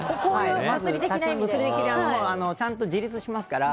物理的にちゃんと自立しますから。